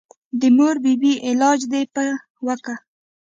د مور بي بي علاج دې پې وکه.